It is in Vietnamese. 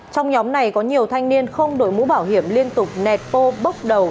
trong nhóm này có nhiều thanh niên không đội mũ bảo hiểm liên tục nẹt pô bốc đầu